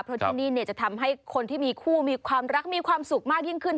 เพราะที่นี่จะทำให้คนที่มีคู่มีความรักมีความสุขมากยิ่งขึ้น